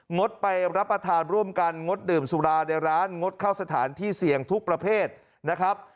ดไปรับประทานร่วมกันงดดื่มสุราในร้านงดเข้าสถานที่เสี่ยงทุกประเภทนะครับ